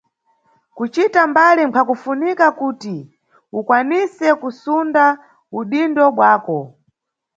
Kucita mbali nkhwakufunika kuti ukwanise kusunda udindo bwako.